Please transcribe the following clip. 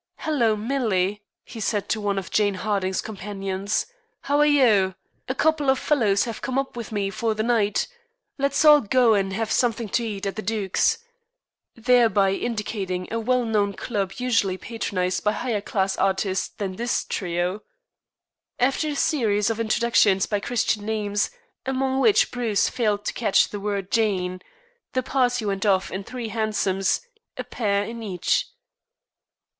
"Hello, Millie," he said to one of Jane Harding's companions. "How are you? A couple of fellows have come up with me for the night. Let's all go and have something to eat at the Duke's," thereby indicating a well known club usually patronized by higher class artistes than this trio. After a series of introductions by Christian names, among which Bruce failed to catch the word "Jane," the party went off in three hansoms, a pair in each.